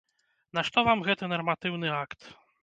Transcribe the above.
Нашто вам гэты нарматыўны акт?